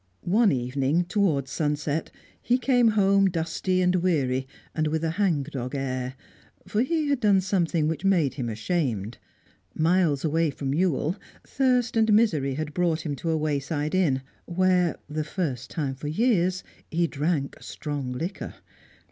One evening, towards sunset, he came home dusty and weary and with a hang dog air, for he had done something which made him ashamed. Miles away from Ewell thirst and misery had brought him to a wayside inn, where the first time for years he drank strong liquor.